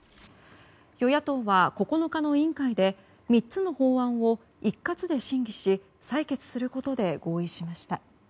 与野党は、９日の委員会で３つの法案を一括で審議し採決することで合意しました。